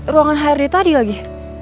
ruangan hrd tadi lagi